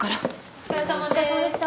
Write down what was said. お疲れさまでした。